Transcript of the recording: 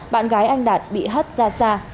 bạn gái anh đạt bị hất ra xa